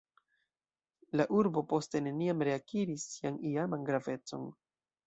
La urbo poste neniam reakiris sian iaman gravecon.